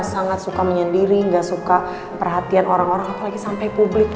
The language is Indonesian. gak sangat suka menyendiri gak suka perhatian orang orang apalagi sampe publik